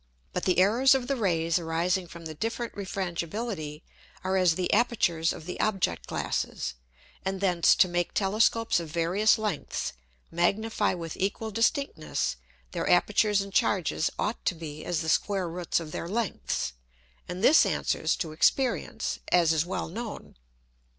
But the Errors of the Rays arising from the different Refrangibility, are as the Apertures of the Object glasses; and thence to make Telescopes of various lengths, magnify with equal distinctness, their Apertures and Charges ought to be as the square Roots of their lengths; and this answers to Experience, as is well known.